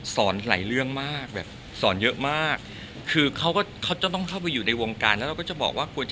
หลายเรื่องมากแบบสอนเยอะมากคือเขาก็เขาจะต้องเข้าไปอยู่ในวงการแล้วเราก็จะบอกว่าควรจะ